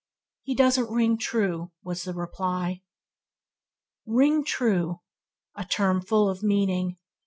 "He doesn't ring true", was the reply. Ring true, a term full of meaning.